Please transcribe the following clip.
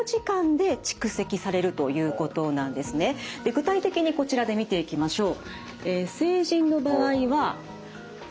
具体的にこちらで見ていきましょう。